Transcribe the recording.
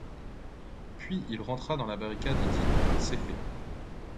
Puis il rentra dans la barricade et dit :— C’est fait.